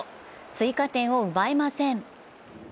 追加点を奪えません。